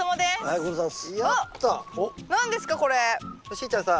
しーちゃんさ